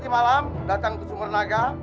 selamat malam datang ke sumernaga